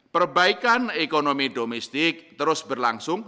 perbaikan ekonomi domestik terus berlangsung